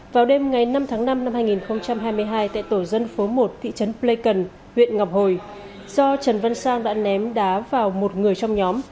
vào đêm ngày năm tháng năm năm hai nghìn hai mươi hai tại tổ dân phố một thị trấn pleikon huyện ngọc hồi do trần văn sang đã ném đá vào một người trong nhóm